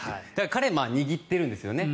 彼は握ってるんですよね